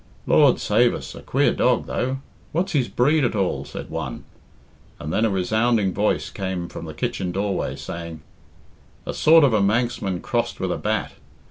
"Lord save us! a queer dog, though what's his breed at all?" said one; and then a resounding voice came from the kitchen doorway, saying "A sort of a Manxman crossed with a bat.